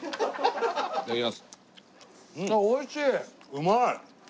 うまい！